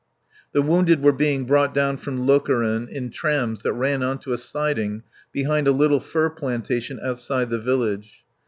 The wounded were being brought down from Lokeren in trams that ran on to a siding behind a little fir plantation outside the village.